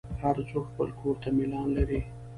هر څوک خپل کور ته میلان لري.